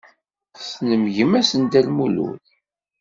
Tessnem gma-s n Dda Lmulud?